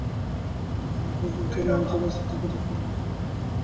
তুরিন আফরোজ যুক্তি দেন, একজন রাজনীতিকের নানা ধরনের রাজনৈতিক কৌশল থাকতে পারে।